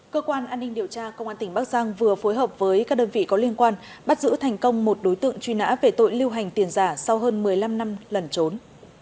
cơ quan an ninh điều tra công an tỉnh bắc giang vừa phối hợp với các đơn vị có liên quan bắt giữ thành công một đối tượng truy nã về tội lưu hành tiền giả sau hơn một mươi năm năm lần trốn